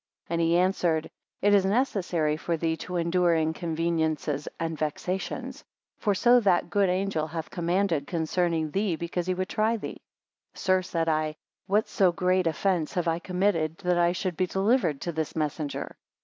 3 And he answered, It is necessary for thee to endure inconveniencies and vexations; for so that good angel hath commanded concerning thee, because he would try thee. 4 Sir, said I; What so great offence have I committed, that I should be delivered to this messenger?